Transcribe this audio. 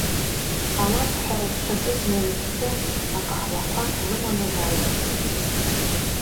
Алафҳәара дшаҿыз Мелеқьԥер акаҳуақәа лыманы дааҩнашылт.